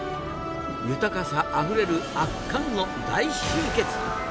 豊かさあふれる圧巻の大集結。